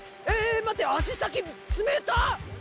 待って足先冷たっ！